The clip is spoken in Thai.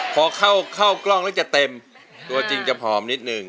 พอเข้ากล้องแล้วจะเต็มตัวจริงจะผอมนิดนึง